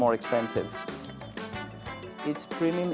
makanannya lebih mahal